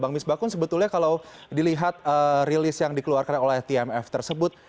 bang misbakun sebetulnya kalau dilihat rilis yang dikeluarkan oleh tmf tersebut